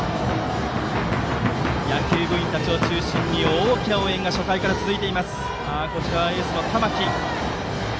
野球部員たちを中心に大きな応援が初回から続いています。